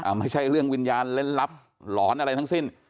ไม่ใช่เรื่องวิญญาณเล่นลับหลอนอะไรทั้งสิ้น